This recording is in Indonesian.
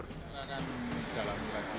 kita tidak akan dalam lagi